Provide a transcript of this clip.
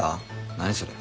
何それ？